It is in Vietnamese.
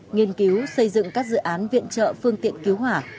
nghiên cứu xây dựng các dự án viện trợ phương tiện cứu hỏa